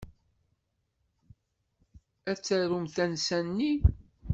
Ad tarumt tansa-nni.